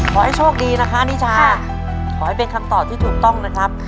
ขอให้โชคดีนะคะนิชาขอให้เป็นคำตอบที่ถูกต้องนะครับ